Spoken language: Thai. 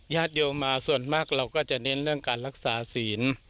ญาติโยมมาส่วนมากเราก็จะเน้นเรื่องการรักษาศีล